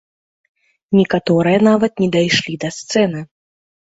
Некаторыя нават не дайшлі да сцэны.